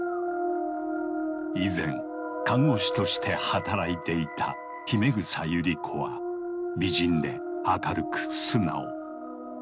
以前看護師として働いていた姫草ユリ子は美人で明るく素直。